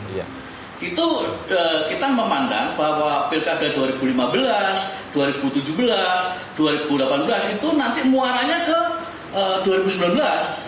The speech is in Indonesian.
itu kita memandang bahwa pilkada dua ribu lima belas dua ribu tujuh belas dua ribu delapan belas itu nanti muaranya ke dua ribu sembilan belas